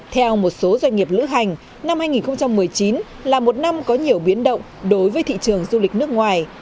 theo một số doanh nghiệp lữ hành năm hai nghìn một mươi chín là một năm có nhiều biến động đối với thị trường du lịch nước ngoài